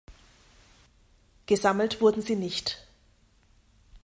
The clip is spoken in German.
Gesammelt wurden sie nicht.